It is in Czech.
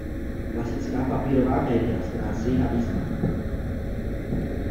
Klasická papírová média ztrácejí na významu.